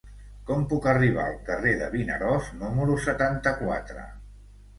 Com puc arribar al carrer de Vinaròs número setanta-quatre?